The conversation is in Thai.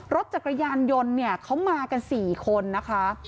รถจากกระยานยนต์เขามากัน๔คนนะคะ